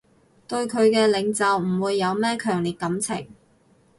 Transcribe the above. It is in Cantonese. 對佢嘅領袖唔會有咩強烈感情